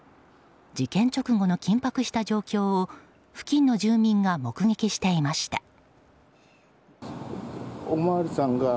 事件直後の緊迫した状況を付近の住民が目撃していました。